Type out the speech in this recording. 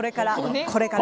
これから。